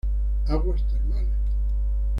Aguas termales